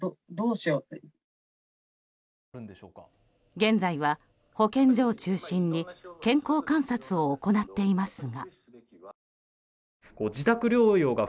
現在は保健所を中心に健康観察を行っていますが。